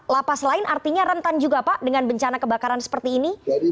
lapas lain artinya rentan juga pak dengan bencana kebakaran seperti ini